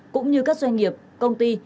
cũng như các doanh nghiệp công ty